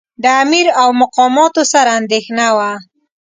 د امیر او مقاماتو سره اندېښنه وه.